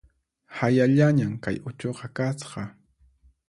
Hayallañan kay uchuqa kasqa